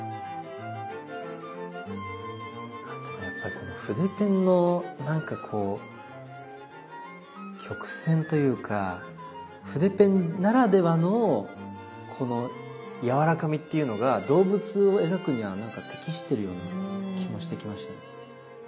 やっぱりこの筆ペンのなんかこう曲線というか筆ペンならではのこのやわらかみっていうのが動物を描くにはなんか適してるような気もしてきました。